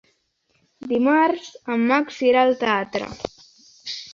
Dimarts en Max irà al teatre.